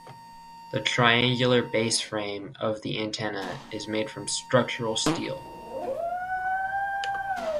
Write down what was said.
The triangular base frame of the antenna is made from structural steel.